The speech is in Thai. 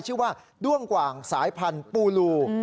ชื่อว่าด้วงกว่างสายพันธุ์ปูลู